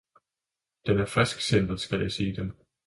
den er frisksindet, skal jeg sige dem!